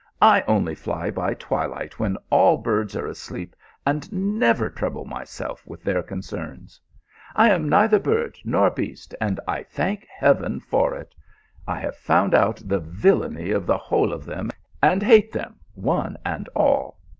" I only fly by twilight when all birds are asleep, and never trouble myself with their concerns. I am neither bird noi beast, and I thank heaven for it. I have found out the villainy of the whole of them, and hate them, one and all.